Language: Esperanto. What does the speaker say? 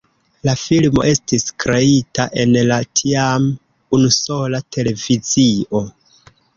La filmo estis kreita en la tiam unusola televizio.